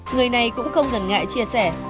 người này cũng không ngần ngại chia sẻ